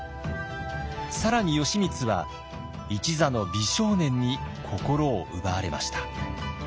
更に義満は一座の美少年に心を奪われました。